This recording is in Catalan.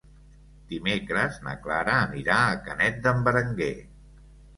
Dimecres na Clara anirà a Canet d'en Berenguer.